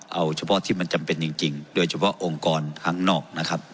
เอาเฉพาะที่มันจำเป็นจริงโดยเฉพาะองค์กรข้างนอกนะครับ